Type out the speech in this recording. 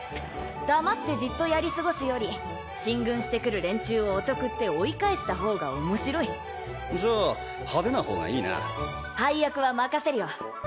黙ってじっとやり過ごすより進軍してくる連中をおちょくって追い返した方が面白いじゃあ派手な方がいいな配役は任せるよ